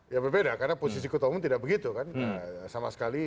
ya berbeda karena posisi kutuh kita tidak begitu sama sekali